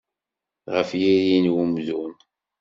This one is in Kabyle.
Ɣef yiri n umdun.